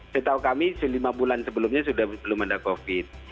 setahu kami selama lima bulan sebelumnya sudah belum ada covid sembilan belas